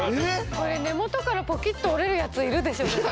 これ根元からポキッと折れるやついるでしょ絶対。